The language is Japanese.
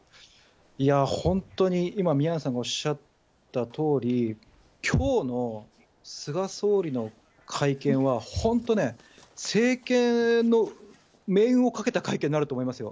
本当に今、宮根さんがおっしゃったとおり、きょうの菅総理の会見は、本当ね、政権の命運をかけた会見になると思いますよ。